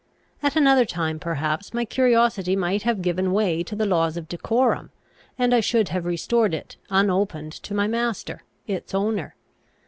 At another time perhaps my curiosity might have given way to the laws of decorum, and I should have restored it unopened to my master, its owner.